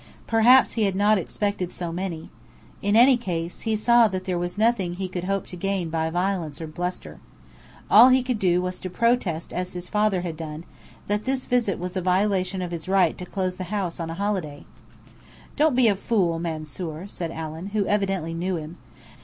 Perhaps he had not expected so many. In any case, he saw that there was nothing he could hope to gain by violence or bluster. All he could do was to protest as his father had done, that this visit was a violation of his right to close the house on a holiday. "Don't be a fool, Mansoor," said Allen, who evidently knew him.